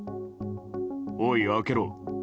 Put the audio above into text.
おい、開けろ。